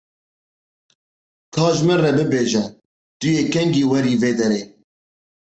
Ka ji min re bibêje tu yê kengî werî vê derê.